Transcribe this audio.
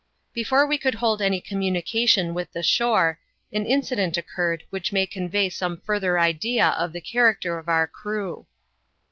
Before we held any communication with the shore, an in cident occurred which may convey some further idea of the character of our crew.